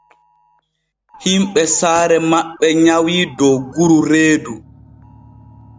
Himɓe saare maɓɓe nyawii dogguru reedu.